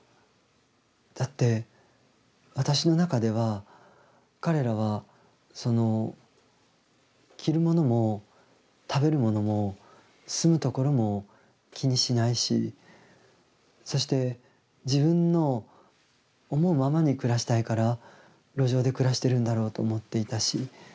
だって私の中では彼らはその着るものも食べるものも住むところも気にしないしそして自分の思うままに暮らしたいから路上で暮らしてるんだろうと思っていたし